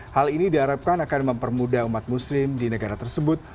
hal ini diharapkan akan mempermudah umat muslim di negara tersebut